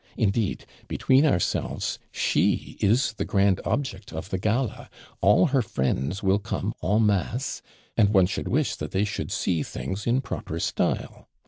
Indeed, between ourselves, she is the grand object of the gala; all her friends will come EN MASSE, and one should wish that they should see things in proper style.